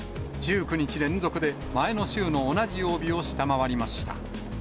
１９日連続で前の週の同じ曜日を下回りました。